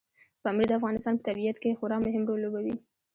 پامیر د افغانستان په طبیعت کې خورا مهم رول لوبوي.